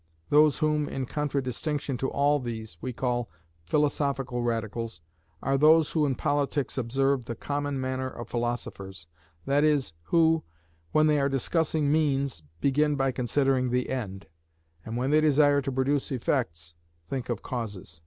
Those whom, in contradistinction to all these, we call Philosophical Radicals, are those who in politics observe the common manner of philosophers; that is, who, when they are discussing means, begin by considering the end, and, when they desire to produce effects, think of causes.